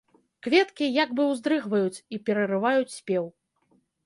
Кветкі як бы ўздрыгваюць і перарываюць спеў.